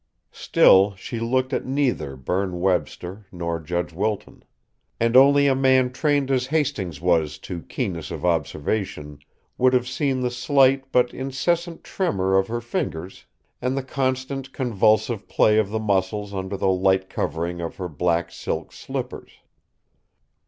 Still she looked at neither Berne Webster nor Judge Wilton. And only a man trained as Hastings was to keenness of observation would have seen the slight but incessant tremour of her fingers and the constant, convulsive play of the muscles under the light covering of her black silk slippers.